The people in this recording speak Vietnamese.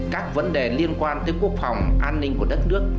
các vấn đề liên quan tới quốc phòng an ninh của đất nước